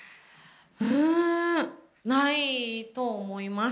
うーんないと思います。